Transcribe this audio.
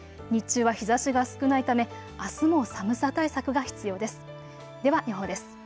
日中は日ざしが少ないためあすも寒さ対策が必要です。